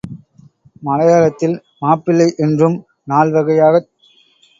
மலையாளத்தில் மாப்பிள்ளை என்றும், நால் வகை யாகச்